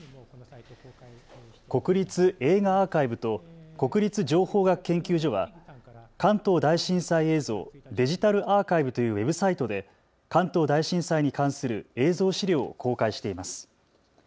国立映画アーカイブと国立情報学研究所は関東大震災映像デジタルアーカイブというウェブサイトで関東大震災に関する映像資料を公開しています。